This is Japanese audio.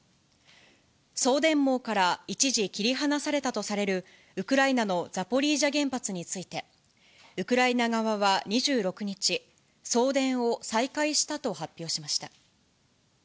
送電網から一時切り離されたとされる、ウクライナのザポリージャ原発について、ウクライナ側は２６日、送電を再開したと発表しました。